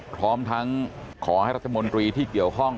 พร้อมทั้งขอให้รัฐมนตรีที่เกี่ยวข้อง